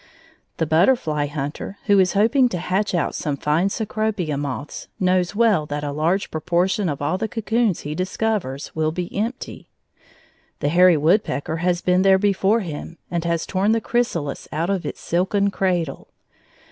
The butterfly hunter who is hoping to hatch out some fine cecropia moths knows well that a large proportion of all the cocoons he discovers will be empty. The hairy woodpecker has been there before him, and has torn the chrysalis out of its silken cradle.